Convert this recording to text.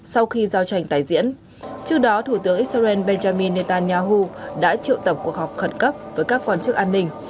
sau khi giao tranh tài diễn trước đó thủ tướng israel benjamin netanyahu đã triệu tập cuộc họp khẩn cấp với các quan chức an ninh